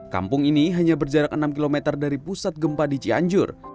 kampung ini hanya berjarak enam km dari pusat gempa di cianjur